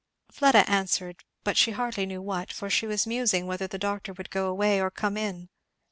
Fleda answered, but she hardly knew what, for she was musing whether the doctor would go away or come in.